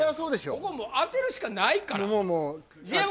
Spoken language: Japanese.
ここはもう当てるしかないからＧＭ